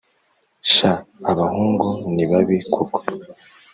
sha abahungu ni babi koko.